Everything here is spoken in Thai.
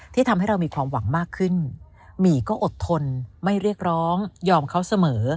ทำให้เรามีความหวังมากขึ้นหมี่ก็อดทนไม่เรียกร้องยอมเขาเสมอ